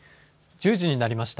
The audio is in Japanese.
１０時になりました。